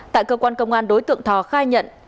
tại cơ quan công an đối tượng thò khai nhận